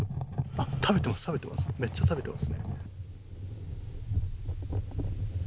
めっちゃ食べてますね。